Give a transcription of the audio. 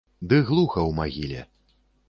Ды глуха ў магіле.